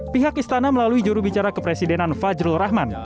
pihak istana melalui jurubicara kepresidenan fajrul rahman